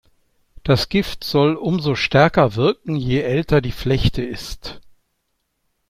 Das Gift soll umso stärker wirken, je älter die Flechte ist.